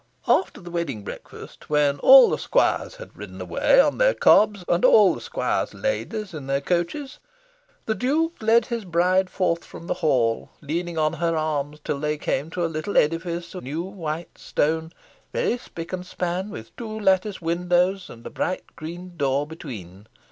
After the wedding breakfast, when all the squires had ridden away on their cobs, and all the squires' ladies in their coaches, the Duke led his bride forth from the hall, leaning on her arm, till they came to a little edifice of new white stone, very spick and span, with two lattice windows and a bright green door between.